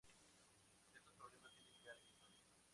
Estos problemas tienen ya larga historia.